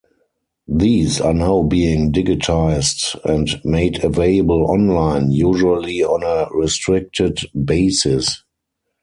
These are now being digitised and made available online, usually on a restricted basis.